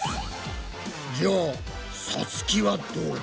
じゃあさつきはどうだ？